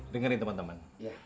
dengar ini teman teman